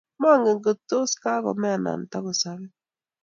Mangen kot ko tos kakome anan toko sobe